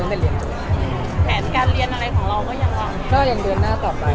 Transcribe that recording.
ส่วนสุดท้ายหนึ่งค่ะ